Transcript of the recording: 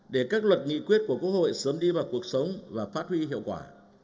để các luật nghị quyết của quốc hội sớm đi vào cuộc sống và phát huy hiệu quả